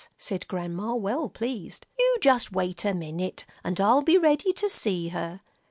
said Grandma, well pleased. "You just wait a minute, and I'll be ready to see her.